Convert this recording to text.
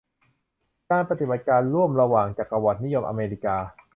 การปฏิบัติการร่วมระหว่างจักรวรรดินิยมอเมริกา